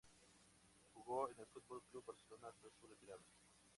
Jugó en el Fútbol Club Barcelona hasta su retirada.